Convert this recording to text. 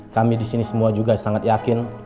kami disini semua juga sangat yakin